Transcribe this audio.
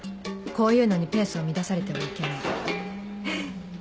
こういうのにペースを乱されてはいけないフフっ。